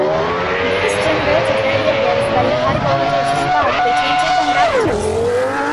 These generated radio waves by a high voltage spark between two conductors.